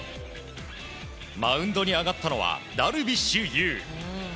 マウンドに上がったのはダルビッシュ有。